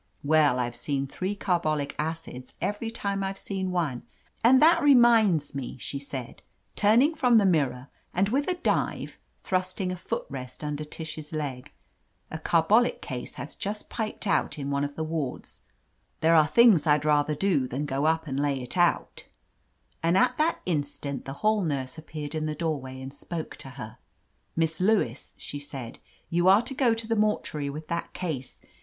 Well, I've seen three carbolic acids every time I've seen one. And that reminds me," she said, turning from the mirror aiid with a dive thrusting a foot rest under Tish's leg, "a carbolic case has just piped out in one of the wa^ds. There are things I'd rather do than go up and lay it out." 130 OF LETITIA CARBERRY And at that instant the hall nurse appeared in the doorway and spoke to her. "Miss Lewis/* she said, "you are to go to the mortuary with that case.